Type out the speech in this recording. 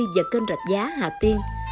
và kênh rạch giá hà tiên